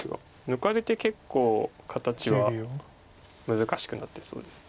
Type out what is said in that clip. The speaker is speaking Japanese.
抜かれて結構形は難しくなってそうです。